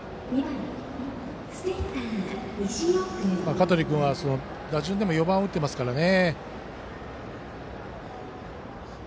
香取君は打順でも４番を打っていますからね。